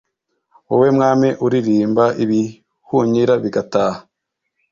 wowe mwami uririmba ibihunyira bigataha